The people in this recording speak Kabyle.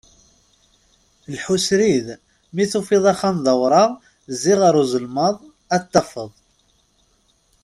Lḥu srid, mi tufiḍ axxam d awraɣ zzi ɣer uzelmaḍ, ad t-tafeḍ.